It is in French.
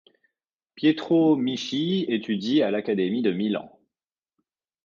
Pietro Michis étudie à l'académie de Milan.